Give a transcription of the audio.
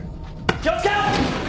気を付け！